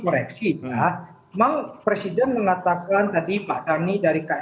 sebenarnya s gt bisa menghirangkannya yang berlaku